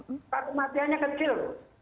oh kematiannya kecil